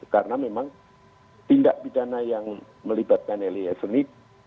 karena memang tindak pidana yang melibatkan lpsk ini